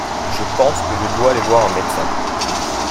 Je pense que je dois aller voir un médecin.